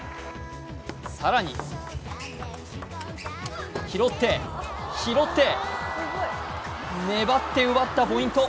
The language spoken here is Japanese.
更に、拾って、拾って、粘って奪ったポイント。